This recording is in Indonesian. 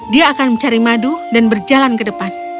dia akan mencari madu dan berjalan ke depan